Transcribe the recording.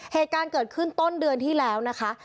เหตุการณ์เกิดขึ้นต้นเดือนที่แล้วนะคะ